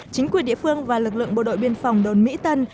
chính quyền địa phương và lực lượng bộ đội biên phòng đồn mỹ tân